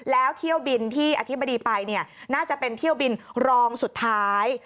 แล้วเที่ยวบินที่อธิบดีไปน่าจะเป็นเที่ยวบินรองสุดท้าย